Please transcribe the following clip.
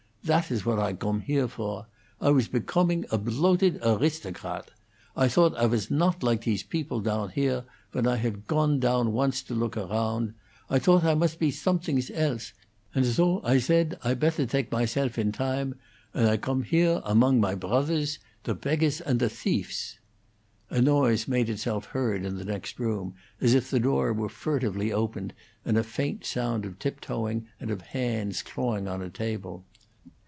That is what I gome here for. I was begoming a ploated aristograt. I thought I was nodt like these beople down here, when I gome down once to look aroundt; I thought I must be somethings else, and zo I zaid I better take myself in time, and I gome here among my brothers the becears and the thiefs!" A noise made itself heard in the next room, as if the door were furtively opened, and a faint sound of tiptoeing and of hands clawing on a table.